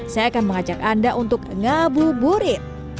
saya akan mengajak anda untuk ngabuburit